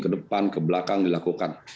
kedepan kebelakang dilakukan